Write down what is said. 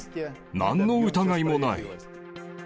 なんの疑いもない。